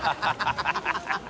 ハハハ